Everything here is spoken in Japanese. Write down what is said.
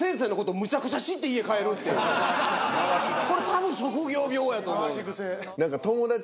これ多分職業病やと思う。